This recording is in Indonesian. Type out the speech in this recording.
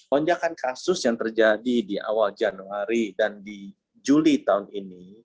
lonjakan kasus yang terjadi di awal januari dan di juli tahun ini